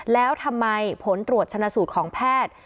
แล้วทำไมผลตรวจชนะสูตรของแพทย์